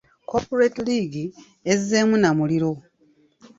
Corporate League ezzeemu na muliro.